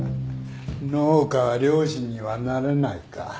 農家は漁師にはならないか。